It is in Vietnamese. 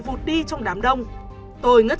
vụt đi trong đám đông tôi ngất